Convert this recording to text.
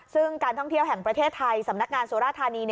ซึ่งการท่องเที่ยวแห่งประเทศไทยสำนักงานสุราธานี